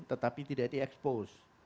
tetapi tidak di expose